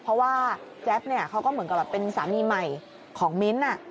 เพราะว่าแจ๊บเนี่ยเขาก็เหมือนกับแบบเป็นสามีใหม่ของมิ้นท์